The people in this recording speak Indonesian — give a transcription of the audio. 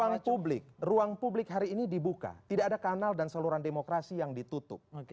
kita tahu bahwa ruang publik hari ini dibuka tidak ada kanal dan seluruh demokrasi yang ditutup